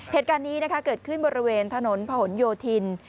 เหตุการณ์นี้เกิดขึ้นบริเวณถนนผนโยธิน